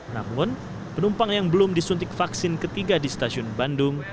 namun penumpang yang belum disuntik vaksin ketiga di stasiun bandung